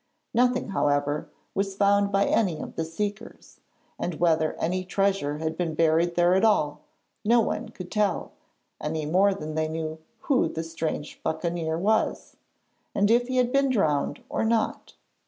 Nothing, however, was found by any of the seekers; and whether any treasure had been buried there at all, no one could tell, any more than they knew who the strange buccaneer was, and if he had been drowned or not.